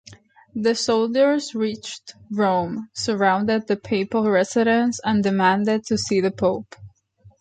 The soldiers reached Rome, surrounded the papal residence, and demanded to see the pope.